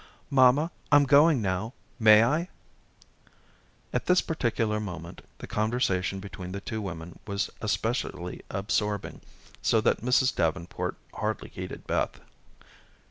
"Mamma, I'm going now. May I?" At this particular moment the conversation between the two women was especially absorbing so that Mrs. Davenport hardly heeded Beth.